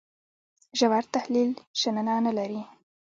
ژور تحلیل شننه نه لري.